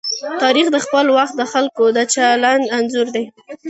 تاریخ د خپل وخت د خلکو د چلند انځور دی.